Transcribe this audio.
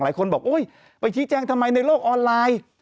หลายคนบอกโอ๊ยไปชี้แจงทำไมในโลกออนไลน์